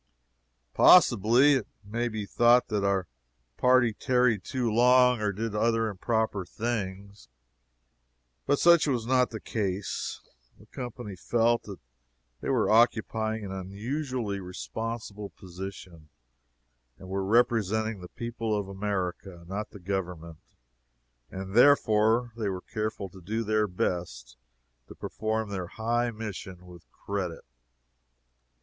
Possibly it may be thought that our party tarried too long, or did other improper things, but such was not the case. The company felt that they were occupying an unusually responsible position they were representing the people of America, not the Government and therefore they were careful to do their best to perform their high mission with credit.